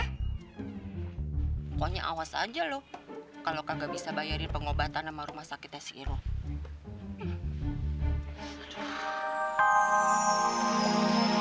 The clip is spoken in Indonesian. pokoknya awas aja loh kalau kagak bisa bayarin pengobatan sama rumah sakitnya si irun